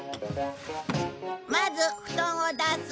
まず布団を出す。